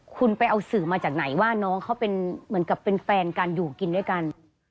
คุณไปเอาสื่อมาจากไหนว่าน้องเขาเป็นเหมือนกับเป็นแฟนกันอยู่กินด้วยกัน